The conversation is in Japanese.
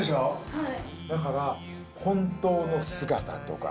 はい。